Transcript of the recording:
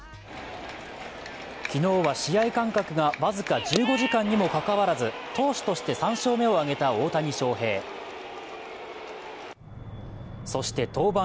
昨日は試合間隔が僅か１５時間にもかかわらず投手として３勝目を挙げた大谷翔平そして登板